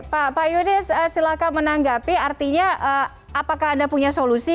pak yunis silahkan menanggapi artinya apakah anda punya solusi